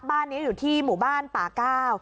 บ้านนี้อยู่ที่หมู่บ้านป่าก้าว